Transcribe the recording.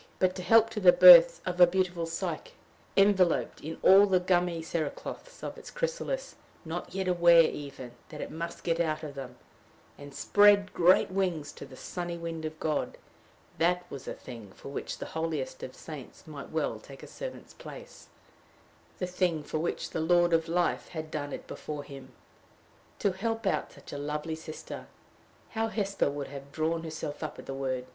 But to help to the birth of a beautiful Psyche, enveloped all in the gummy cerecloths of its chrysalis, not yet aware, even, that it must get out of them, and spread great wings to the sunny wind of God that was a thing for which the holiest of saints might well take a servant's place the thing for which the Lord of life had done it before him. To help out such a lovely sister how Hesper would have drawn herself up at the word!